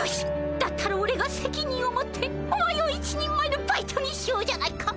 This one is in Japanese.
だったらおれがせきにんを持ってお前を一人前のバイトにしようじゃないか。